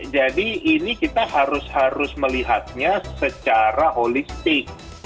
jadi ini kita harus melihatnya secara holistik